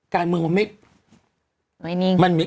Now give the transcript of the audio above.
การเมืองมันไม่